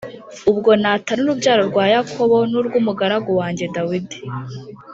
ubwo nata n urubyaro rwa Yakobo n urw umugaragu wanjye Dawidi